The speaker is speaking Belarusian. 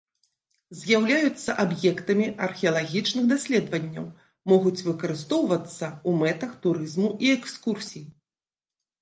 З'яўляюцца аб'ектамі археалагічных даследаванняў, могуць выкарыстоўвацца ў мэтах турызму і экскурсій.